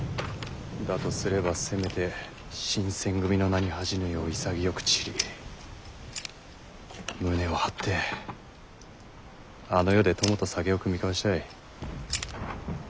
だとすればせめて新選組の名に恥じぬよう潔く散り胸を張ってあの世で友と酒を酌み交わしたい。